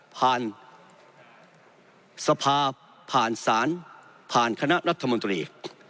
ผ่านสภาผ่านศาลผ่านคณะรัฐมนตรี